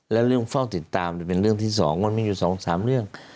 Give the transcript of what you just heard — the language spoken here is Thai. และเรื่องเฝ้าติดตามเป็นเรื่องที่๒มันมีอยู่๒๓เรื่อง